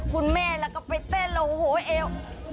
คุณแม่แล้วก็ไปเต้นแล้วโอ้โหเอว